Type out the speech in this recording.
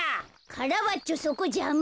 カラバッチョそこじゃま。